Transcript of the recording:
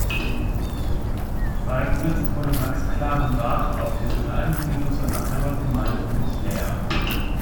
Beigesetzt wurde Max Clarenbach auf dem kleinen Friedhof seiner Heimatgemeinde Wittlaer.